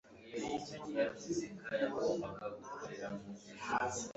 nyuma utware ibyo ushaka, umugaragu yaramubwiraga ati